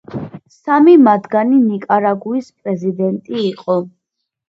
სამი მათგანი ნიკარაგუის პრეზიდენტი იყო.